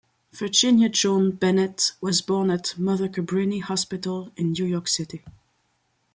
Virginia Joan Bennett was born at Mother Cabrini Hospital in New York City.